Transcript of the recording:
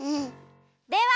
では！